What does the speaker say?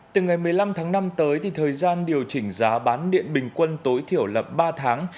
từ ngày một mươi năm tháng năm tới thì thời gian điều chỉnh giá bán điện bình quân tối thiểu là ba tháng